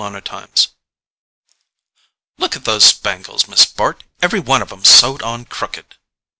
Chapter 10 "Look at those spangles, Miss Bart—every one of 'em sewed on crooked."